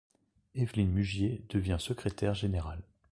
Eveline Mugier devient secrétaire générale.